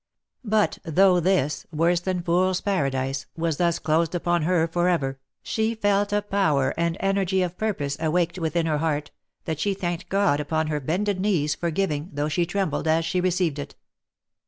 But though this, worse than fools paradise, was thus closed upon her for ever, she felt a power and energy of purpose awaked within her heart, that she thanked God upon her bended knees for giving, though she trembled as she received it.